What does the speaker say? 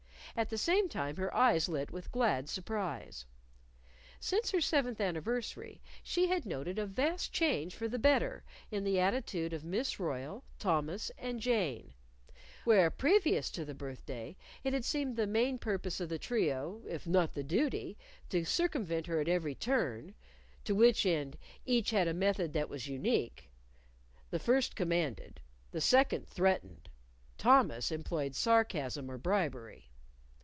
At the same time, her eyes lit with glad surprise. Since her seventh anniversary, she had noted a vast change for the better in the attitude of Miss Royle, Thomas and Jane; where, previous to the birthday, it had seemed the main purpose of the trio (if not the duty) to circumvent her at every turn to which end, each had a method that was unique: the first commanded; the second threatened; Thomas employed sarcasm or bribery.